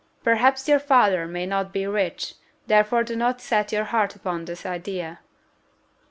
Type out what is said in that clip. Perhaps your father may not be rich; therefore do not set your heart upon this idea."